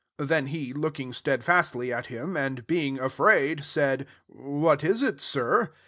'' 4 Then he, looking stedfastly at him, and being afraid, said, " What is it, Sir?"